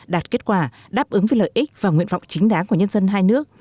đạt kết quả đáp ứng với lợi ích và nguyện vọng chính đáng của nhân dân hai nước